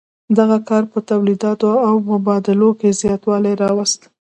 دغه کار په تولیداتو او مبادلو کې زیاتوالی راوست.